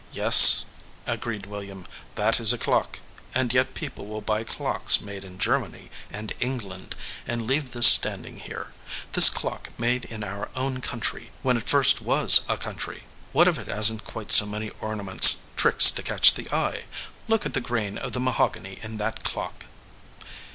"Yes," agreed William, "that is a clock ; and yet people will buy clocks made in Germany and Eng land and leave this standing here, this clock made in our own country when it first was a country. What if it hasn t quite so many ornaments, tricks to catch the eye ? Look at the grain of the mahog any in that clock."